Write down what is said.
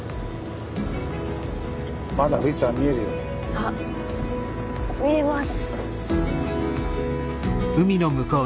あ見えます。